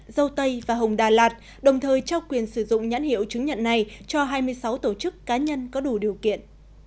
dâu tây và hồng đà lạt đồng thời trao quyền sử dụng nhãn hiệu chứng nhận này cho hai mươi sáu tổ chức cá nhân có đủ điều kiện